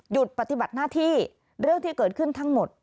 ปฏิบัติหน้าที่เรื่องที่เกิดขึ้นทั้งหมด